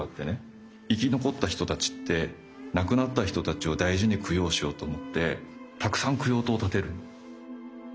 生き残った人たちって亡くなった人たちを大事に供養しようと思ってたくさん供養塔を建てるの。